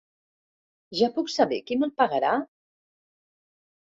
Ja puc saber qui me'l pagarà?